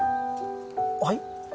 はい？